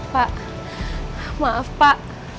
pak maaf pak